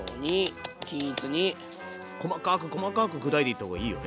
細かく細かく砕いていった方がいいよね